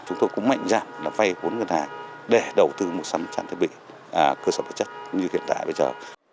chúng tôi cũng mạnh dạng là vay bốn người đại để đầu tư một sắm trang thiết bị cơ sở vật chất như hiện đại bây giờ